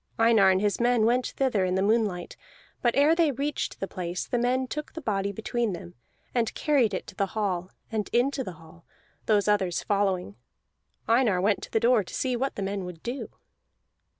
Einar and his men went thither in the moonlight, but ere they reached the place the men took the body between them, and carried it to the hall, and into the hall, those others following. Einar went to the door to see what the men would do.